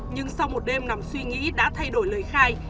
nhưng sau một đêm nằm suy nghĩ đã thay đổi lời khai